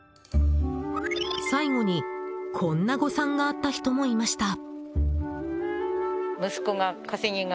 最後にこんな誤算があった人もいました。